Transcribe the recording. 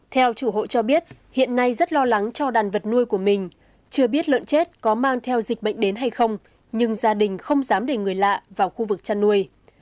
theo chủ hộ cho biết hiện nay rất lo lắng cho đàn vật nuôi của mình chưa biết lợn chết có mang theo dịch bệnh đến hay không nhưng gia đình không dám để người lạ vào khu vực chăn nuôi